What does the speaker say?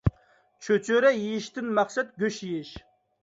چۆچۈرە يېيىشتىن مەقسەت گۆش يېيىش